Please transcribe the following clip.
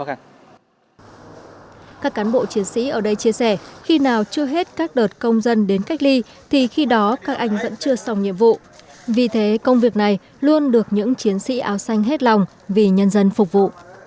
các cán bộ chiến sĩ ở đây chia sẻ khi nào chưa hết các đợt công dân đến cách ly thì khi đó các anh vẫn chưa xong nhiệm vụ vì thế công việc này luôn được những chiến sĩ áo xanh hết lòng vì nhân dân phục vụ